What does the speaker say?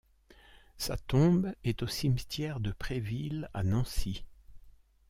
Sa tombe est au cimetière de Préville à Nancy.